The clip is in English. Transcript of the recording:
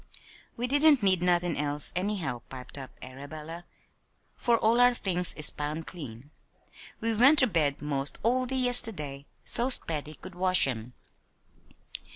"We didn't need nothin' else, anyhow," piped up Arabella, "for all our things is span clean. We went ter bed 'most all day yisterday so's Patty could wash 'em."